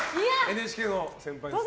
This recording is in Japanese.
ＮＨＫの先輩ですけど。